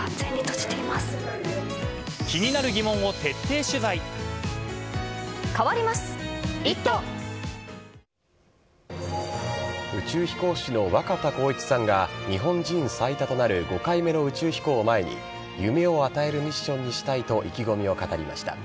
警視庁はこのグループが宇宙飛行士の若田光一さんが日本人最多となる５回目の宇宙飛行を前に夢を与えるミッションにしたいと意気込みを語りました。